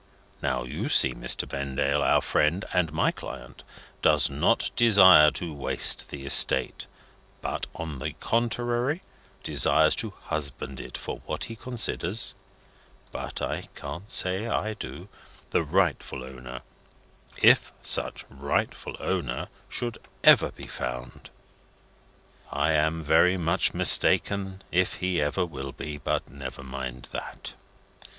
Now, you see, Mr. Vendale, our friend (and my client) does not desire to waste the estate, but, on the contrary, desires to husband it for what he considers but I can't say I do the rightful owner, if such rightful owner should ever be found. I am very much mistaken if he ever will be, but never mind that.